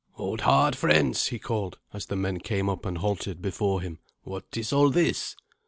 "Hold hard, friends!" he called, as the men came up and halted before him; "what is all this?"